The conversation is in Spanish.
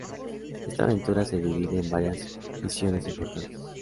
Esta aventura se divide en varias misiones importantes.